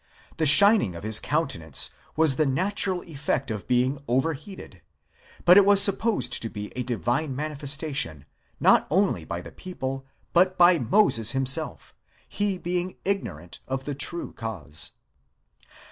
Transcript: The shining of his countenance was the natural effect of being over heated : but it was supposed to be a divine manifestation, not only by the people, but by Moses himself, he being ignorant of the true cause.